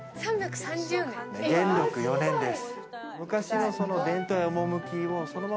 元禄４年です。